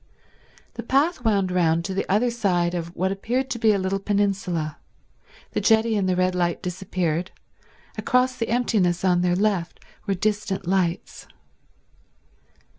The path wound round to the other side of what appeared to be a little peninsula; the jetty and the red light disappeared; across the emptiness on their left were distant lights.